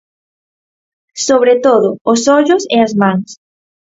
Sobre todo os ollos e as mans.